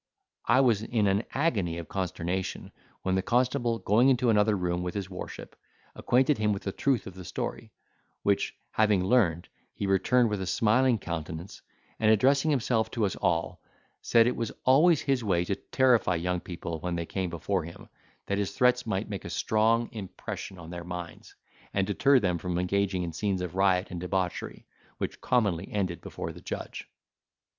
I was in an agony of consternation, when the constable, going into another room with his worship, acquainted him with the truth of the story; which having learned, he returned with a smiling countenance, and, addressing himself to us all, said it was always his way to terrify young people when they came before him, that his threats might make a strong impression on their minds, and deter them from engaging in scenes of riot and debauchery, which commonly ended before the judge.